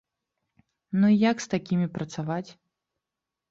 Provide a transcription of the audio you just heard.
Ну і як з такімі працаваць?